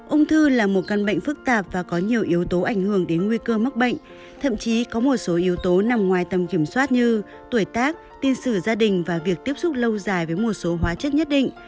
ung thư là một căn bệnh phức tạp và có nhiều yếu tố ảnh hưởng đến nguy cơ mắc bệnh thậm chí có một số yếu tố nằm ngoài tầm kiểm soát như tuổi tác tiên sử gia đình và việc tiếp xúc lâu dài với một số hóa chất nhất định